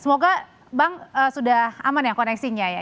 semoga bank sudah aman ya koneksinya ya